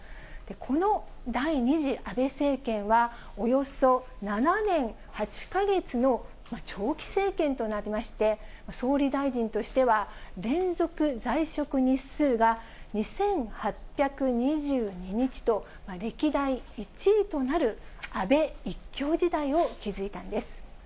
この第２次安倍政権は、およそ７年８か月の長期政権となりまして、総理大臣としては、連続在職日数が２８２２日と、歴代１位となる安倍一強時代を築いたんです。